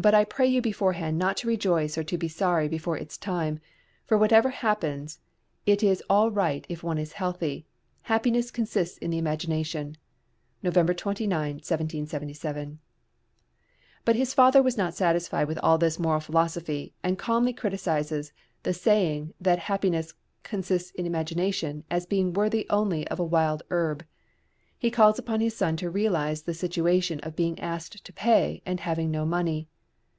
But I pray you beforehand not to rejoice or to be sorry before it is time: for whatever happens it is all right if one is only healthy; happiness consists in the imagination (November 29, 1777). But his father was not satisfied with all this moral philosophy, and calmly criticises the saying that happiness consists in imagination as being worthy only of a wild herb. He calls upon his son to realise the situation of being asked to pay, and having no money.